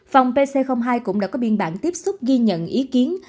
phòng pc hai cũng đã có biên bản tiếp xúc ghi nhận ý kiến